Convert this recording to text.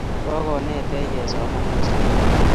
kokonetech kosoman eng' sukul.